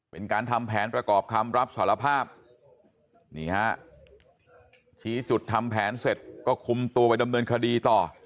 เป็นการทำแผนประกอบคำรับสารภาพนี่ฮะชี้จุดทำแผนเสร็จก็คุมตัวไปดำเนินคดีต่อ